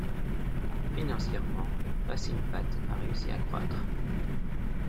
Financièrement, FaSinPat a réussi à croître.